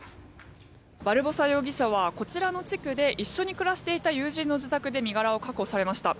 バルボサ容疑者はこちらの地区で一緒に暮らしていた友人の自宅で身柄を確保されました。